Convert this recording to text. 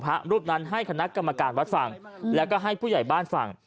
พระรูปนั้นให้คณะกรรมการวัดฟังแล้วก็ให้ผู้ใหญ่บ้านฟัง